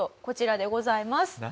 こちらでございます。